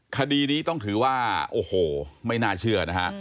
คดีนี้ต้องถือว่าโอ้โหไม่น่าเชื่อนะฮะ